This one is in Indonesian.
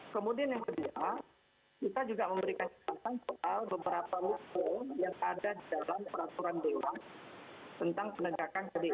kemudian yang kedua kita juga memberikan katatan soal beberapa lukung yang ada dalam peraturan dewan tentang penegakan ke det